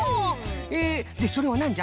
ええでそれはなんじゃ？